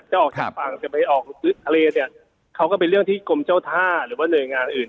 ออกจากฝั่งจะไปออกทะเลเนี่ยเขาก็เป็นเรื่องที่กรมเจ้าท่าหรือว่าหน่วยงานอื่น